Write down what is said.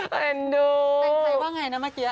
เป็นใครว่าไงนะเมื่อกี้